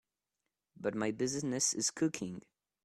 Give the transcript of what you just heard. But my business is cooking.